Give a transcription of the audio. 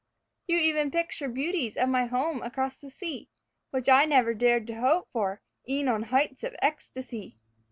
You even picture beauties of my home across the sea Which I never dared to hope for e'en on heights of ecstasy.